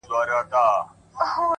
حقیقت ذهن له درنو بارونو خلاصوي’